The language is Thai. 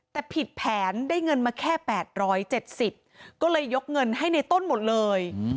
แต่ผิดแผนได้เงินมาแค่แปดร้อยเจ็ดสิบก็เลยยกเงินให้ในต้นหมดเลย